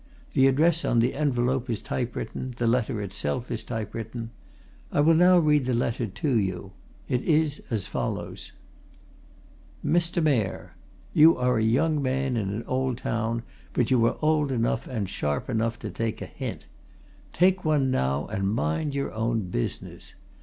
The address on the envelope is typewritten; the letter itself is typewritten. I will now read the letter to you. It is as follows: "'MR. MAYOR, "'You are a young man in an old town, but you are old enough and sharp enough to take a hint. Take one now, and mind your own business.